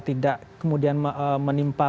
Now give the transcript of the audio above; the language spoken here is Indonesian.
tidak kemudian menimpa